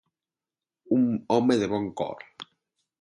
Un home de bon cor.